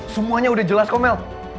semuanya udah jelas kok mel